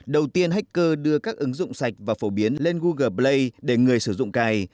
đầu tiên hacker đưa các ứng dụng sạch và phổ biến lên google play để người sử dụng cài